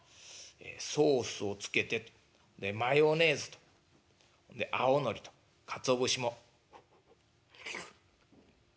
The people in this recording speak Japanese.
ソースをつけてとでマヨネーズとんで青のりとかつお節も。フッフッフ」。